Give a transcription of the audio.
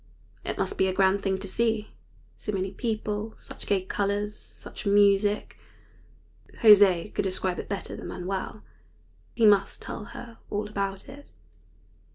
It must be a grand thing to see so many people, such gay colors, such music. José could describe it better than Manuel. He must tell her all about it.